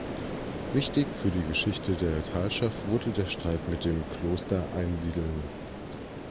Wichtig für die Geschichte der Talschaft wurde der Streit mit dem Kloster Einsiedeln.